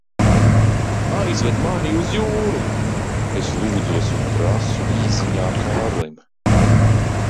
"Aizved mani uz jūru!" es lūdzos un prasu īsziņā Kārlim.